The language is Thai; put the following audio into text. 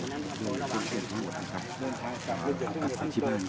แล้วก็กลับลงครับอันนี้คือปล่อยแล้วใช่ไหม